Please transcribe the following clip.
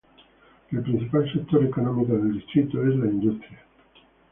El principal sector económico del distrito es la industria.